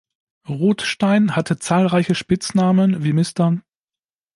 Rothstein hatte zahlreiche Spitznamen wie „Mr.